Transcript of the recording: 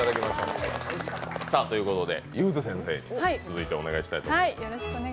ゆーづ先生に続いてお願いしたいと思います。